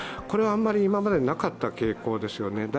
これはあまり今までになかった傾向ですよね。